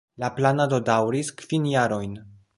La planado daŭris kvin jarojn.